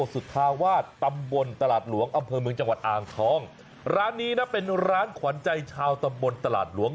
สุธาวาสตำบลตลาดหลวงอำเภอเมืองจังหวัดอ่างทองร้านนี้นะเป็นร้านขวัญใจชาวตำบลตลาดหลวง